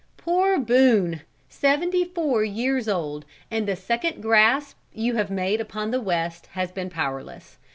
"Poor Boone! Seventy four years old, and the second grasp you have made upon the West has been powerless.